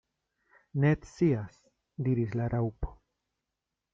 "Ne scias," diris la Raŭpo.